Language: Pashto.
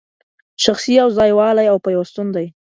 شخصي یو ځای والی او پیوستون